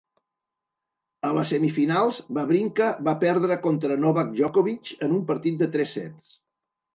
A les semifinals, Wawrinka va perdre contra Novak Djokovic en un partit de tres sets.